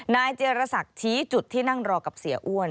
เจรศักดิ์ชี้จุดที่นั่งรอกับเสียอ้วน